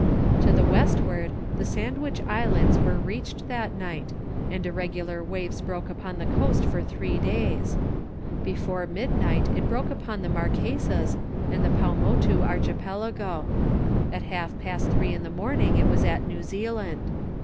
To the westward, the Sandwich Islands were reached that night, and irregular waves broke upon the coast for three days. Before midnight it broke upon the Marquesas and the Paumotu archipelago. At half past three in the morning it was at New Zealand.